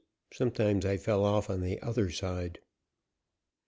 Sometimes I fell off on the other side.